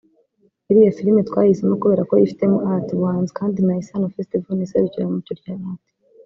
Iriya filime twayihisemo kubera ko yifitemo art [ubuhanzi] kandi na Isaano Festival ni iserukiramuco rya art